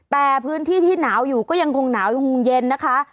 แต่พื้นที่ที่หนาวอยู่ก็ยังคงหนาวยังคงเย็นนะคะ